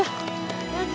やった。